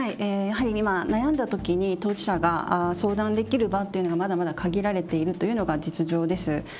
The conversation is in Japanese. やはり今悩んだ時に当事者が相談できる場っていうのがまだまだ限られているというのが実情です。